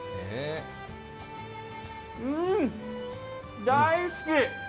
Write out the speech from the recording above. うん、大好き！